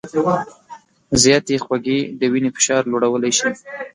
زیاتې خوږې د وینې فشار لوړولی شي.